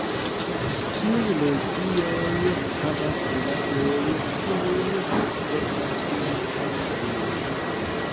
Ĉiuj religioj havas miraklojn, ĉiuj asertas tion aŭ alion.